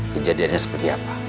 kejadiannya seperti apa